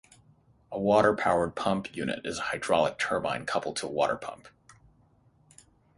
A water-powered pump unit is a hydraulic turbine coupled to a water pump.